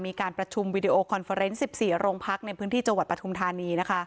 มีการประชุมวิดีโอคอนเฟอร์เนสสิบสี่โรงพรรคในพื้นที่จังหวัดประทุมธารณีนะคะ